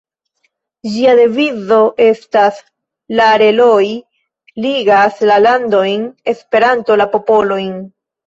Ĝia devizo estas: ""La reloj ligas la landojn, Esperanto la popolojn.